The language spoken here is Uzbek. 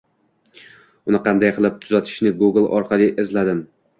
Uni qanday qilib tuzatishni Google orqali izladim